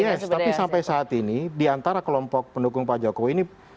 yes tapi sampai saat ini diantara kelompok pendukung pak jokowi ini